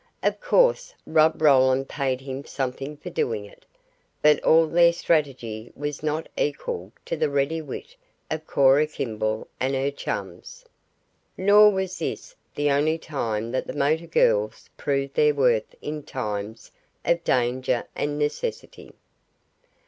Of course Rob Roland paid him something for doing it. But all their strategy was not equal to the ready wit of Cora Kimball and her chums. Nor was this the only time that the motor girls proved their worth in times of danger and necessity.